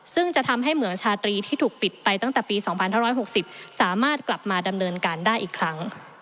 ซึ่งจะทำให้เหมืองชาตรีที่ถูกปิดไปตั้งแต่ปี๒๕๖๐สามารถกลับมาดำเนินการได้อีกครั้ง